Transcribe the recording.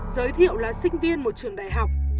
giới thiệu là sinh viên một trường đại học